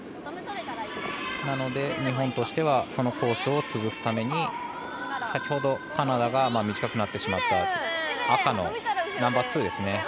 なので日本としてはそのコースを潰すために先ほど、カナダが短くなってしまった、赤のナンバーツーですね。